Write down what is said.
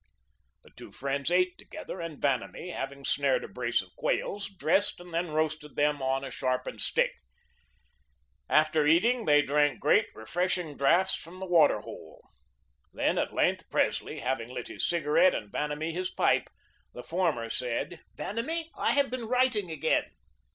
The two friends ate together, and Vanamee, having snared a brace of quails, dressed and then roasted them on a sharpened stick. After eating, they drank great refreshing draughts from the water hole. Then, at length, Presley having lit his cigarette, and Vanamee his pipe, the former said: "Vanamee, I have been writing again."